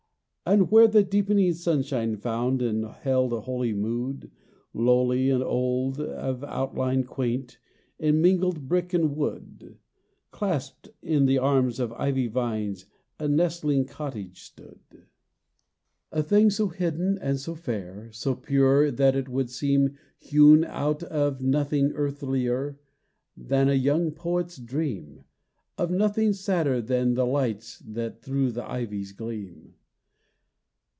And where the deepening sunshine found And held a holy mood, Lowly and old, of outline quaint, In mingled brick and wood, Clasped in the arms of ivy vines A nestling cottage stood: A thing so hidden and so fair, So pure that it would seem Hewn out of nothing earthlier Than a young poet's dream, Of nothing sadder than the lights That through the ivies gleam.